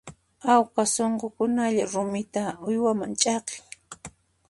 Awqa sunqukunalla rumita uywaman ch'aqin.